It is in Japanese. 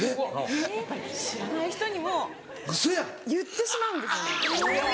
やっぱり知らない人にも言ってしまうんですよ。